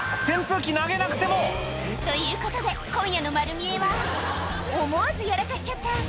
扇風機投げなくてもということで今夜の『まる見え！』は思わずやらかしちゃった